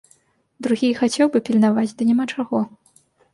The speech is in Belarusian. Другі і хацеў бы пільнаваць, ды няма чаго.